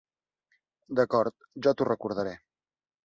D'acord, jo t'ho recordaré.